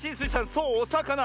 そうおさかな。